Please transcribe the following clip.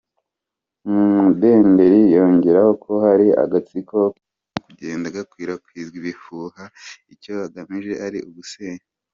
Mudenderi yongeraho ko hari agatsiko karimo kugenda gakwirakwiza ibihuha icyo bagamije ari ugusenya.